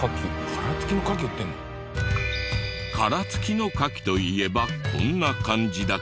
殻付きのカキといえばこんな感じだけど。